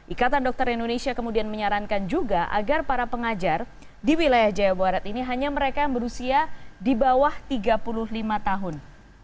ikatan dokter indonesia kemudian menyarankan juga agar para pengajar di wilayah jawa barat ini hanya mereka yang berusia di bawah tiga puluh lima tahun